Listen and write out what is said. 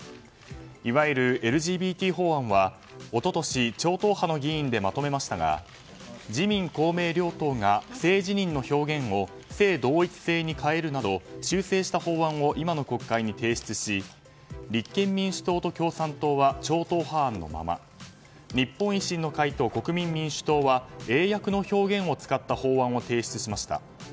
いわゆるＬＧＢＴ法案は一昨年、超党派の議員でまとめましたが自民・公明両党が性自認の表現を性同一性に変えるなど修正した法案を今の国会に提出し立憲民主党と共産党は超党派案のまま日本維新の会と国民民主党は英訳の表現を使った法案を提出しました。